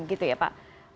gitu ya pak